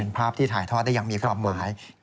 เป็นภาพที่ถ่ายทอดได้อย่างมีความหมาย